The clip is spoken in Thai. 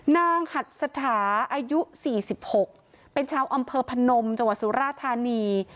หัดสถาอายุ๔๖เป็นชาวอำเภอพนมจังหวัดสุราธานี